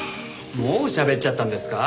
もうしゃべっちゃったんですか？